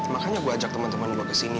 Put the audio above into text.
makanya gue ajak temen temen gue kesini